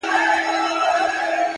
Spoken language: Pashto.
هره تجربه د پوهې نوی فصل دی!